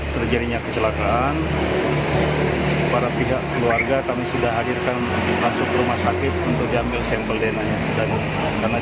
polri menyebut kecelakaan maut di kilometer lima puluh delapan tol jakarta jikampek karawang